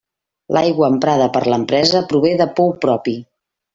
L'aigua emprada per l'empresa prové de pou propi.